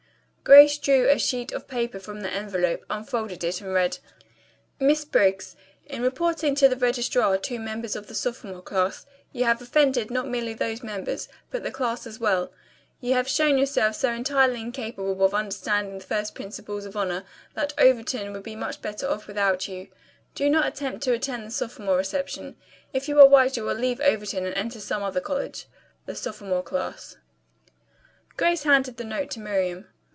Grace drew a sheet of paper from the envelope, unfolded it and read: "Miss Briggs: "In reporting to the registrar two members of the sophomore class you have offended not merely those members, but the class as well. You have shown yourself so entirely incapable of understanding the first principles of honor, that Overton would be much better off without you. Do not attempt to attend the sophomore reception. If you are wise you will leave Overton and enter some other college. "The Sophomore Class." Grace handed the note to Miriam.